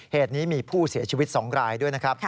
เหตุนี้มีผู้เสียชีวิต๒รายด้วยนะครับ